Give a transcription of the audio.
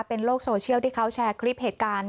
เป็นโลกโซเชียลที่เขาแชร์คลิปเหตุการณ์